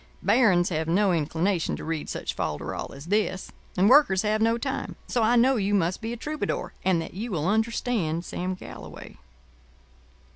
Barons have no inclination to read such folderol as this; and Workers have no time: so I know you must be a Troubadour, and that you will understand Sam Galloway.